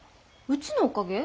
うちのおかげ？